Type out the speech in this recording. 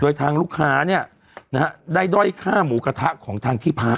โดยทางลูกค้าเนี่ยนะฮะได้ด้อยค่าหมูกระทะของทางที่พัก